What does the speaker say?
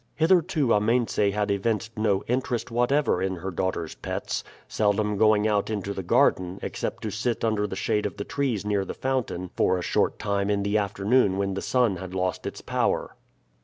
Hitherto Amense had evinced no interest whatever in her daughter's pets, seldom going out into the garden, except to sit under the shade of the trees near the fountain for a short time in the afternoon when the sun had lost its power.